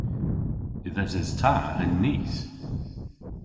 Yth eses ta yn Nice.